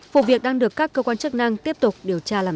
vụ việc đang được các cơ quan chức năng tiếp tục điều tra làm rõ